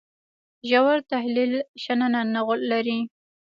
ژور تحلیل شننه نه لري.